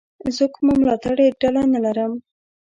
زه کومه ملاتړلې ډله نه لرم.